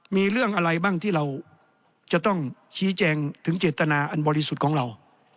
มีเรื่องอะไรบ้างที่เราจะต้องชี้แจงถึงเจตนาอันบริสุทธิ์ของเรา